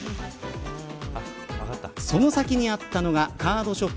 その先にあったのがカードｓｈｏｐ